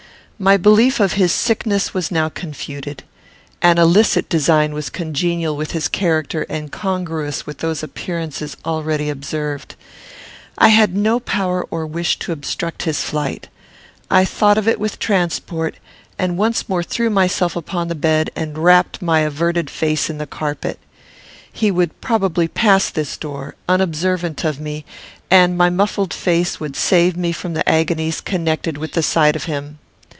My belief of his sickness was now confuted. An illicit design was congenial with his character and congruous with those appearances already observed. I had no power or wish to obstruct his flight. I thought of it with transport, and once more threw myself upon the bed, and wrapped my averted face in the carpet. He would probably pass this door, unobservant of me, and my muffled face would save me from the agonies connected with the sight of him.